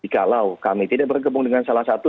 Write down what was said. kalau kami tidak bergabung dengan salah satu